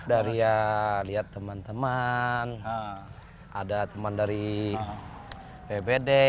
dari ya lihat teman teman ada teman dari bpd